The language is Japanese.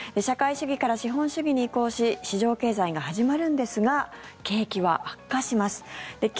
社会主義から資本主義に移行し市場経済が始まるんですが景気は悪化します。